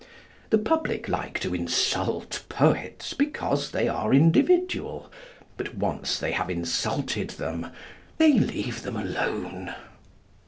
The public like to insult poets because they are individual, but once they have insulted them, they leave them alone.